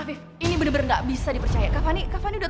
ini bener bener nggak bisa dipercaya ke fani ke fani